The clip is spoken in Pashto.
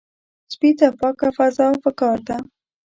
سپي ته پاکه فضا پکار ده.